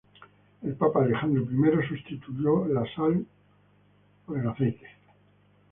El papa Alejandro I sustituyó la sal al aceite.